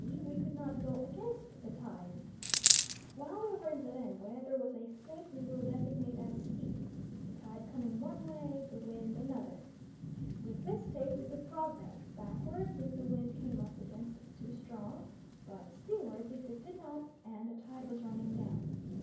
we could not go against the tide. While we were in the Rembwe there was a state we will designate as C the tide coming one way, the wind another. With this state we could progress, backwards if the wind came up against us too strong, but seawards if it did not, and the tide was running down.